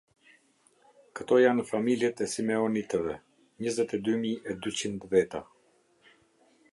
Këto janë familjet e Simeonitëve: njëzet e dy mijë e dyqind veta.